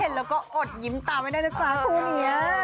เห็นแล้วก็อดยิ้มตาไว้ได้นะจ๊ะคู่เหนีย